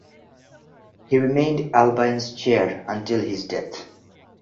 He remained Albion's chair until his death.